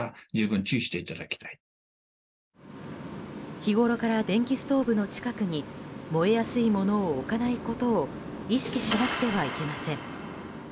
日ごろから電気ストーブの近くに燃えやすいものを置かないことを意識しなくてはいけません。